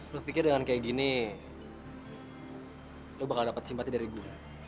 lo pikir dengan kayak gini lo bakal dapat simpati dari gue